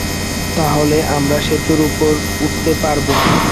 তাহলে আমরা সেতুর উপর উঠতে পারব।